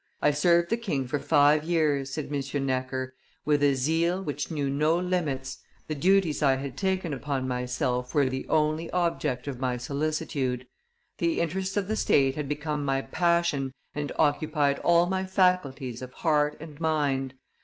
"I served the king for five years," said M. Necker, "with a zeal which knew no limits the duties I had taken upon myself were the only object of my solicitude. The interests of the state had become my passion and occupied all my faculties of heart and mind.